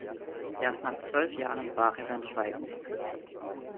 Erst nach zwölf Jahren brach er sein Schweigen.